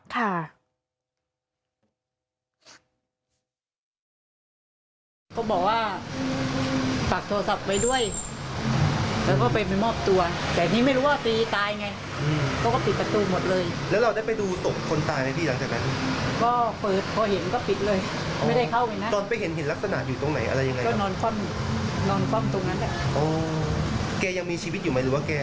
ได้ไหมครับ